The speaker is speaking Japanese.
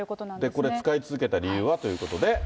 これ、使い続けた理由はということで。